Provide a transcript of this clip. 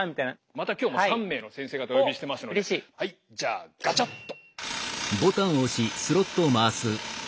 また今日も３名の先生方お呼びしてますのではいじゃあガチャッと。